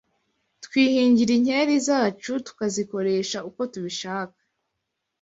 Twihingira inkeri zacu, tukazikoresha uko tubishaka.